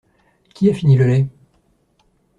Qui a fini le lait?